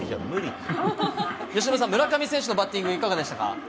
由伸さん、村上選手のバッティング、いかがでしたか？